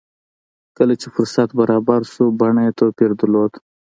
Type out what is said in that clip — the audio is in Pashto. کله چې فرصت برابر شو بڼه يې توپير درلود.